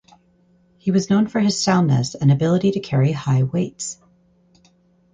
He was known for his soundness and ability to carry high weights.